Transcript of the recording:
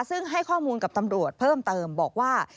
ซึ่งให้ข้อมูลกับตำรวจเพิ่มเติมบอกว่า